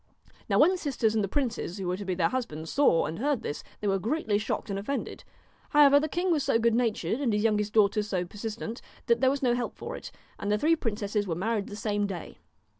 Now when the sisters and the princes who were to be their husbands saw and heard this, they were greatly shocked and offended. However, the king was so good natured, and his youngest daughter so persistent, that there was no help for it, and the three princesses were married the same day.